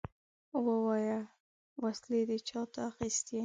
ووايه! وسلې دې چاته اخيستې؟